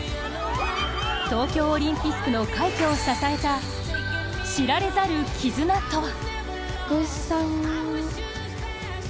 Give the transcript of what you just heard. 東京オリンピックの快挙を支えた、知られざる絆とは。